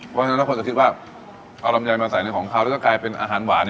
เพราะฉะนั้นถ้าคนจะคิดว่าเอาลำไยมาใส่ในของเขาแล้วก็กลายเป็นอาหารหวาน